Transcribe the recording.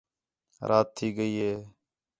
رات تھی ڳئی ہے